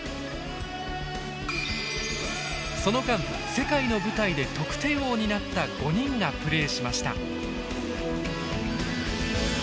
その間世界の舞台で得点王になった５人がプレーしました。